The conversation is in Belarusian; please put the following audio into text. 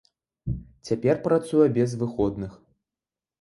Цяпер працуе без выходных.